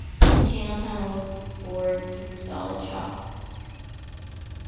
The Channel Tunnel was bored through solid chalk.